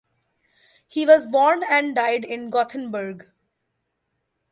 He was born and died in Gothenburg.